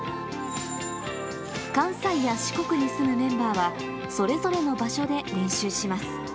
関西や四国に住むメンバーは、それぞれの場所で練習します。